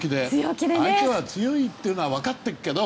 相手は強いというのは分かっているけど